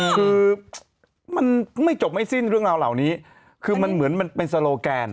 คือมันไม่จบไม่สิ้นเรื่องราวเหล่านี้คือมันเหมือนมันเป็นโซโลแกน